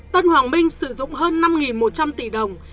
tân hoàng minh sử dụng hơn năm một trăm linh tỷ đồng